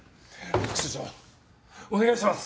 副署長お願いします。